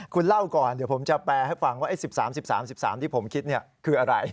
คุณเล่าก่อนเดี๋ยวผมจะแปลให้ฟังว่า๑๓๑๓๑๓๑๓ที่ผมคิดคืออะไร